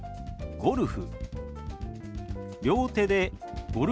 「ゴルフ」。